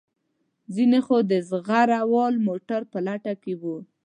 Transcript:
ځینې خو د زغره والو موټرو په لټه کې وو.